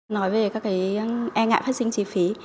nói về các e ngại phát sinh chi phí